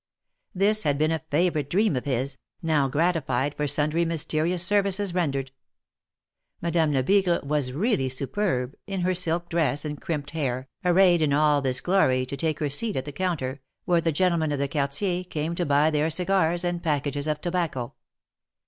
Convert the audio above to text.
This had been a favorite dream of his, now gratified for sundry mysterious services rendered. Madame Lebigre was really superb, in her silk dress and crimped hair, arrayed in all this glory to take her seat at the counter, where the gentlemen of the Quartier, came to buy their cigars and packages of tobacco.